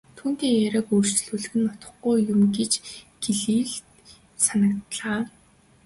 Түүнтэй яриаг үргэжлүүлэх нь утгагүй юм гэж Кириллд санагдлаа.